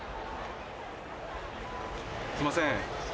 すいません。